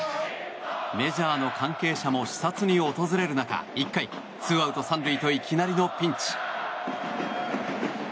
メジャーの関係者も視察に訪れる中、１回２アウト３塁といきなりのピンチ。